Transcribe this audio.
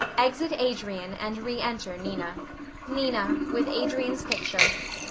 [Exit Adrian and re enter Nina. Nina [with Adrian's picture].